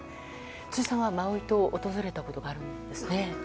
辻さんはマウイ島を訪れたことがあるんですよね。